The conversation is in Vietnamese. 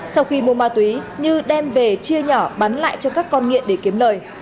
sau khi mua ma túy như đem về chia nhỏ bán lại cho các con nghiện để kiếm lời